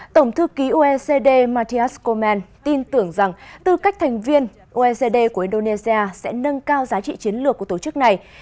tổng thư ký oecd matias komen tin tưởng rằng tư cách thành viên oecd của indonesia sẽ nâng cao giá trị chiến lược của tổ chức này